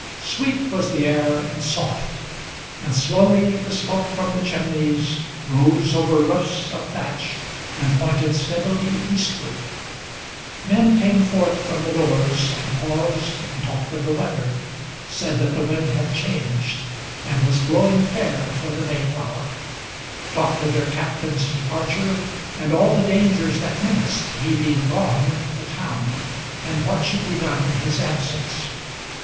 Sweet was the air and soft; and slowly the smoke from the chimneys Rose over roofs of thatch, and pointed steadily eastward; Men came forth from the doors, and paused and talked of the weather, Said that the wind had changed, and was blowing fair for the Mayflower; Talked of their Captain's departure, and all the dangers that menaced, He being gone, the town, and what should be done in his absence.